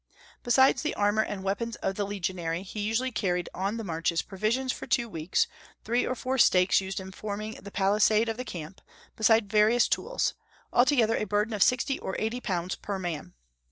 Besides the armor and weapons of the legionary, he usually carried on the marches provisions for two weeks, three or four stakes used in forming the palisade of the camp, besides various tools, altogether a burden of sixty or eighty pounds per man.